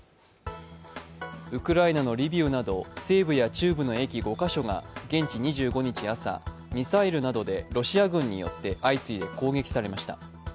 ウクライナのリビウなど西部や中部の駅５カ所が現地２５日朝、ミサイルなどでロシア軍によって相次いで攻撃されました。